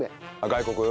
外国。